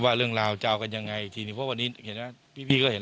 ว่าเรื่องราวจะเอากันยังไงทีนี้เพราะวันนี้เห็นไหมพี่พี่ก็เห็น